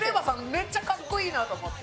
めっちゃ格好いいなと思って。